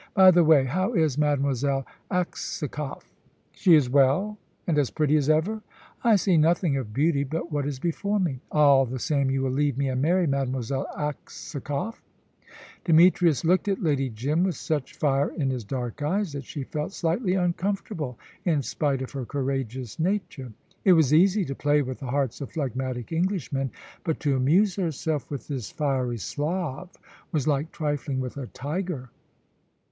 By the way, how is Mademoiselle Aksakoff?" "She is well." "And as pretty as ever?" "I see nothing of beauty but what is before me." "All the same, you will leave me and marry Mademoiselle Aksakoff." Demetrius looked at Lady Jim with such fire in his dark eyes that she felt slightly uncomfortable in spite of her courageous nature. It was easy to play with the hearts of phlegmatic Englishmen, but to amuse herself with this fiery Slav was like trifling with a tiger.